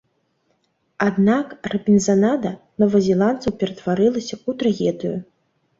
Аднак рабінзанада новазеландцаў ператварылася ў трагедыю.